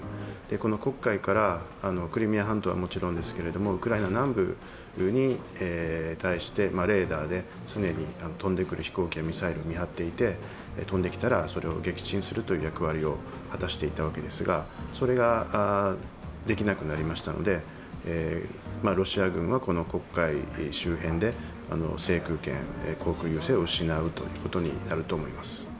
この黒海からクリミア半島はもちろんですけれどもウクライナ南部に対してレーダーで常に飛んでくる飛行機やミサイルを見張っていて飛んできたら、それを撃沈するという役割を果たしていたわけですがそれができなくなりましたので、ロシア軍はこの黒海周辺で制空権、航空優勢を失うということになると思います。